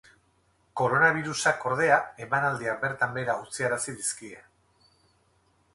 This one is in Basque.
Koronabirusak ordea, emanaldiak bertan behera utziarazi dizkie.